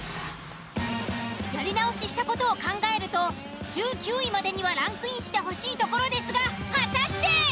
やり直しした事を考えると１９位までにはランクインしてほしいところですが果たして！？